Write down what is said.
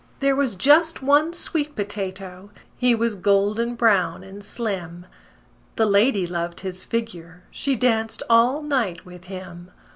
"There was just one sweet potato. He was golden brown and slim: The lady loved his figure. She danced all night with him.